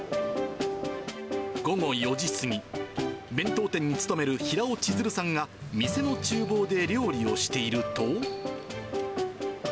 午後４時過ぎ、弁当店に勤める平尾千鶴さんが店のちゅう房で料理をしていると。